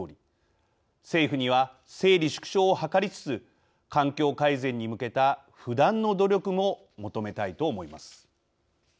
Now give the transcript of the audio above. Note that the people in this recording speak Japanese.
政府には整理・縮小を図りつつ環境改善に向けた不断の努力も求めたいと思います。